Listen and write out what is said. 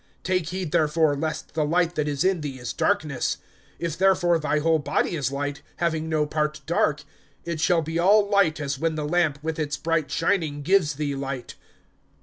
(35)Take heed therefore, lest the light that is in thee is darkness[11:35]. (36)If therefore thy whole body is light, having no part dark, it shall be all light as when the lamp, with its bright shining, gives thee light.